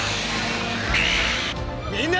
みんな！！